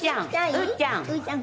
「うーちゃん